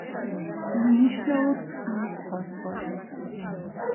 უმნიშვნელოდ ხსნის ფოსფორს.